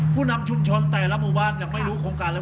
ผู้นำชุมชนแต่ละหมู่บ้านยังไม่รู้โครงการเลย